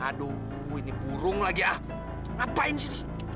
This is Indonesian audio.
aduh ini burung lagi ah ngapain sih